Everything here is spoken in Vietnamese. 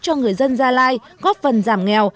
cho người dân gia lai góp phần giảm nghèo